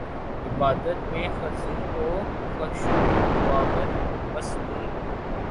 عبادت میں خضوع وخشوع ہواور مسنون